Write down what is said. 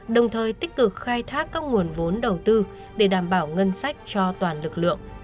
đồng thời tích cực khai thác các nguồn vốn đầu tư để đảm bảo ngân sách cho toàn lực lượng